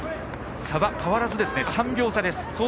差は変わらず３秒差です。